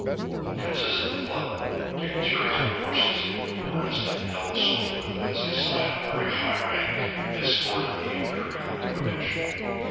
Princes of the blood, dignitaries on horses harnessed in yellow silk as a sign of very high rank, escorted the imperial equipage.